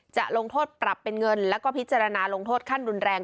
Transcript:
จะลงโทษปรับเป็นเงินแล้วก็พิจารณาลงโทษขั้นรุนแรง